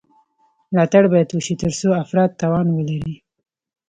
ملاتړ باید وشي ترڅو افراد توان ولري.